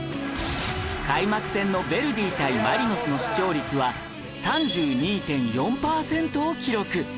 開幕戦のヴェルディ対マリノスの視聴率は ３２．４ パーセントを記録